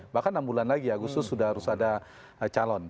bahkan enam bulan lagi agustus sudah harus ada calon